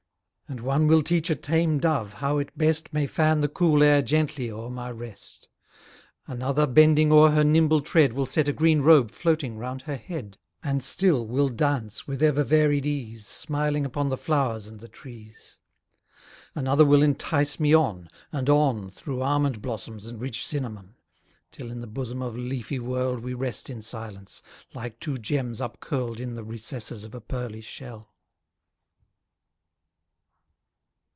And one will teach a tame dove how it best May fan the cool air gently o'er my rest; Another, bending o'er her nimble tread, Will set a green robe floating round her head, And still will dance with ever varied case, Smiling upon the flowers and the trees: Another will entice me on, and on Through almond blossoms and rich cinnamon; Till in the bosom of a leafy world We rest in silence, like two gems upcurl'd In the recesses of a pearly shell.